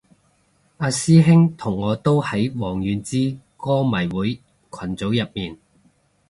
阿師兄同我都喺王菀之歌迷會群組入面